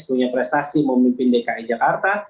punya prestasi memimpin dki jakarta